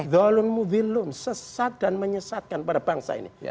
dolunmudilun sesat dan menyesatkan pada bangsa ini